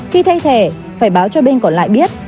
khi thay thẻ phải báo cho bên còn lại biết